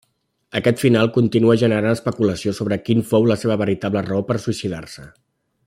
Aquest final continua generant especulació sobre quina fou la seva veritable raó per suïcidar-se.